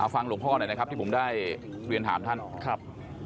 ฟังหลวงพ่อหน่อยนะครับที่ผมได้เรียนถามท่านครับ